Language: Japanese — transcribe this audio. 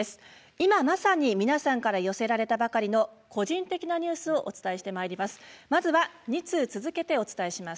今まさに皆さんから寄せられたばかりの個人的なニュースをお伝えしてまいります。